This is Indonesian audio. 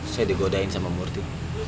saya digodain sama murti